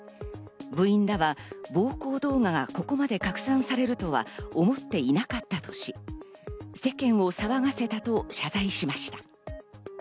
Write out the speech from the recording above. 部員らは暴行動画がここまで拡散されるとは思っていなかったとし、世間を騒がせたと謝罪しました。